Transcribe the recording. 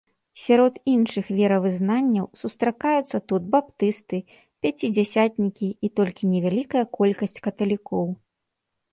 Сярод іншых веравызнанняў сустракаюцца тут баптысты, пяцідзясятнікі і толькі невялікая колькасць каталікоў.